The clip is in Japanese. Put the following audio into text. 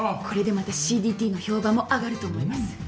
これでまたＣＤＴの評判も上がると思います。